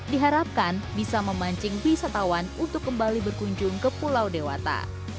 diharapkan bisa memancing wisatawan untuk kembali berkunjung ke pulau dewata